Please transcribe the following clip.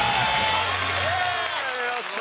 やった！